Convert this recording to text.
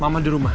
mama di rumah